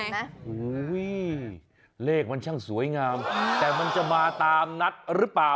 โอ้โหเลขมันช่างสวยงามแต่มันจะมาตามนัดหรือเปล่า